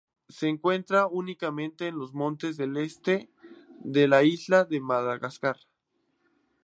Se encuentra únicamente en los montes del este de la isla de Madagascar.